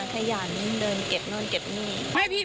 ขยันเดินเก็บโน่นเก็บนี่